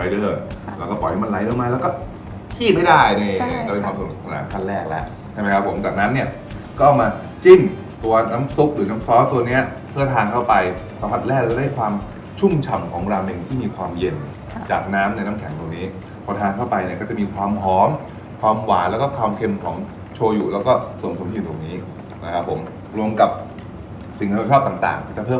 แล้วก็ปล่อยมันไล่ออกมาแล้วก็ขี้ไม่ได้เนี่ยจะเป็นความสุขขั้นแรกแล้วใช่ไหมครับผมจากนั้นเนี่ยก็เอามาจิ้นตัวน้ำซุปหรือน้ำซอสตัวเนี้ยเพื่อทานเข้าไปสะพัดแล้วได้ความชุ่มฉ่ำของราเมงที่มีความเย็นจากน้ำในน้ำแข็งตรงนี้พอทานเข้าไปเนี่ยก็จะมีความหอมความหวานแล้วก็ความเค็มของโชยูแล้